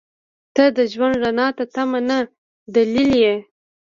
• ته د ژوند رڼا ته تمه نه، دلیل یې.